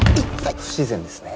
不自然ですね